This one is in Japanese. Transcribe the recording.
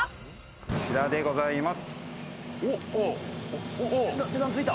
こちらでございます。